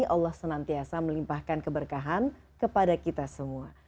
allah senantiasa melimpahkan keberkahan kepada kita semua